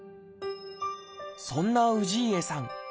そんな氏家さん